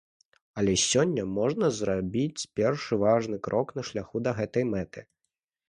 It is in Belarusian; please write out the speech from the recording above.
Але сёння можна зрабіць першы важны крок на шляху да гэтай мэты.